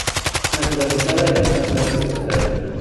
Naturalizada en algunas partes de Australia.